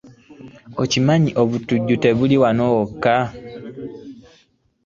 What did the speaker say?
Okimanyi nti obutujju tebuli wano woka.